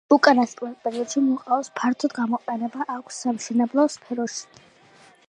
უკანასკნელ პერიოდში მუყაოს ფართოდ გამოყენება აქვს სამშენებლო სფეროში.